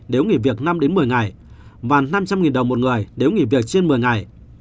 nếu nghỉ việc năm đến một mươi ngày và năm trăm linh đồng một người nếu nghỉ việc trên một mươi ngày